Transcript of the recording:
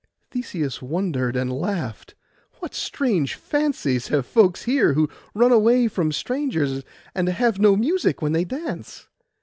Theseus wondered and laughed: 'What strange fancies have folks here who run away from strangers, and have no music when they dance!